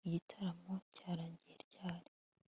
Igitaramo cyarangiye ryari